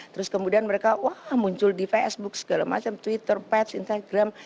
terus kemudian mereka wah muncul di facebook segala macam twitter pats instagram